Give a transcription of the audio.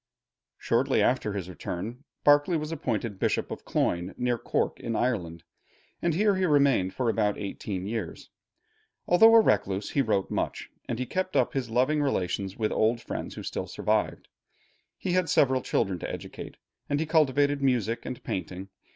Shortly after his return, Berkeley was appointed Bishop of Cloyne, near Cork in Ireland, and here he remained for about eighteen years. Although a recluse, he wrote much, and he kept up his loving relations with old friends who still survived. He had several children to educate, and he cultivated music and painting.